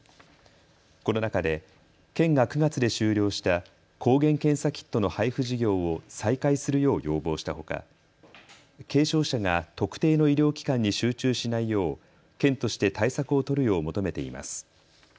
この中で県が９月で終了した抗原検査キットの配布事業を再開するよう要望したほか軽症者が特定の医療機関に集中しないよう県として対策を取るよう求めています。